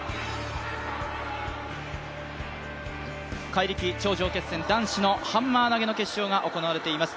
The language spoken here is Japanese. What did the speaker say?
怪力頂上決戦、男子ハンマー投げの決勝が行われています。